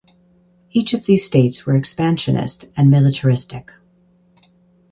Each of these states were expansionist and militaristic.